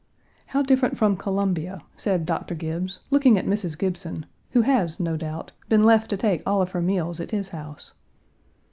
"How different from Columbia," said Doctor Gibbes, looking at Mrs. Gibson, who has no doubt been left to take all of her meals at his house.